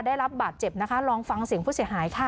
ได้รับบาดเจ็บนะคะลองฟังเสียงผู้เสียหายค่ะ